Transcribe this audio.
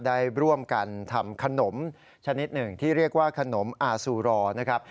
ได้ร่วมกันทำขนมชนิดหนึ่งที่เรียกว่าขนมอาซูรอนะครับ